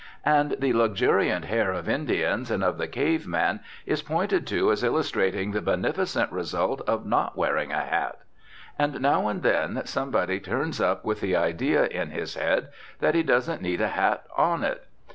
And the luxuriant hair of Indians and of the cave man is pointed to as illustrating the beneficent result of not wearing a hat. And now and then somebody turns up with the idea in his head that he doesn't need a hat on it.